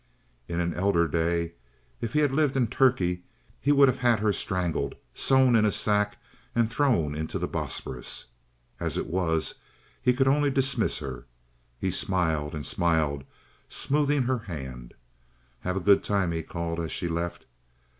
In an elder day, if they had lived in Turkey, he would have had her strangled, sewn in a sack, and thrown into the Bosporus. As it was, he could only dismiss her. He smiled and smiled, smoothing her hand. "Have a good time," he called, as she left.